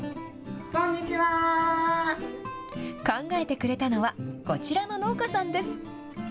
考えてくれたのは、こちらの農家さんです。